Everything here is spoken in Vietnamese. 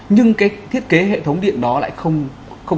nhưng cái thiết kế hệ thống điện đó lại không